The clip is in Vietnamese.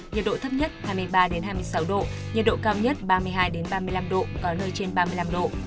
nhiệt độ thấp nhất hai mươi ba hai mươi sáu độ nhiệt độ cao nhất ba mươi hai ba mươi năm độ có nơi trên ba mươi năm độ